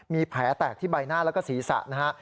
มีแผลแตกที่ใบหน้าแล้วก็ศีรษะนะฮะ